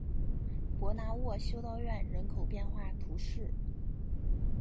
博纳沃修道院人口变化图示